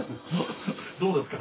どうですか？